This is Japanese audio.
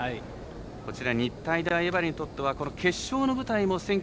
こちら日体大荏原にとっては決勝の舞台